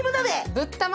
ぶったま